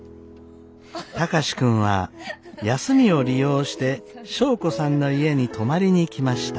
貴司君は休みを利用して祥子さんの家に泊まりに来ました。